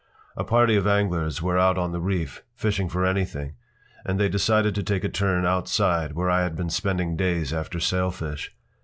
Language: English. A party of anglers were out on the reef, fishing for anything, and they decided to take a turn outside where I had been spending days after sailfish.